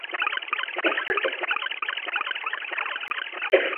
Odpovědnost za to bude mít Komise.